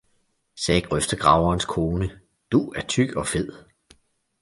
sagde Grøftegraverens Kone, Du er tyk og fed!